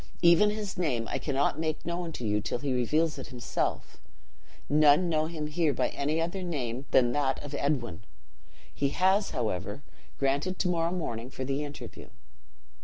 Even his name I cannot make known to you till he reveals it himself: none know him here by any other name than that of Edwin. He has, however, granted to morrow morning for the interview."